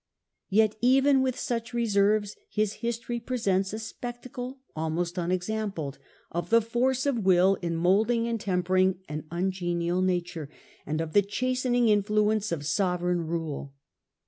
Yet even with such reserves his history presents a spectacle almost unexampled of the force of will in moulding and tempering an ungenial nature, and of the chastening influence of sovereign rule.